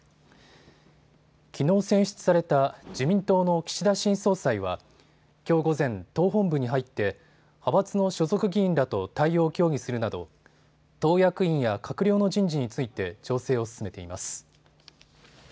きのう選出された自民党の岸田新総裁はきょう午前、党本部に入って派閥の所属議員らと対応を協議するなど党役員や閣僚の人事について調整を進めています。